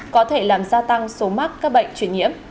có thể làm gia tăng số mắc các bệnh chuyển nhiễm